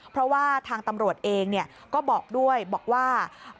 เพราะว่าทางตำรวจเองก็บอกด้วยบอกว่า